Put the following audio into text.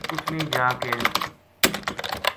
اس نے جا کے